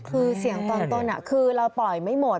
คือเสียงตอนต้นคือเราปล่อยไม่หมด